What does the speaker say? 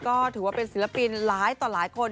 ก็ถือว่าเป็นศิลปินหลายต่อหลายคน